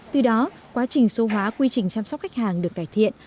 từ đó quá trình số hóa quy trình chăm sóc khách hàng được cải thiện